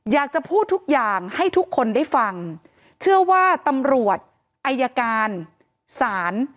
อยากจะพูดทุกอย่างให้ทุกคนได้ฟังเชื่อว่าตำรวจอายการศาล